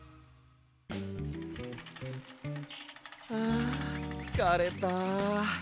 あつかれた。